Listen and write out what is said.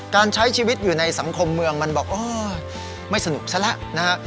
การใช้ชีวิตอยู่ในสังคมเมืองมันบอกอ๋อไม่สนุกซะแล้วนะฮะ